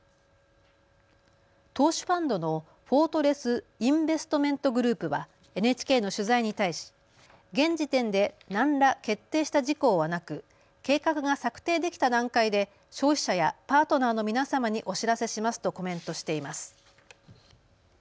投資ファンドのフォートレス・インベストメント・グループはＮＨＫの取材に対し現時点で何ら決定した事項はなく計画が策定できた段階で消費者やパートナーの皆様にお知らせしますとコメントしています。